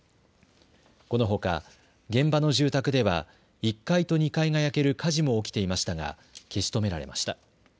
このほか現場の住宅では１階と２階が焼ける火事も起きていましたが消し止められました。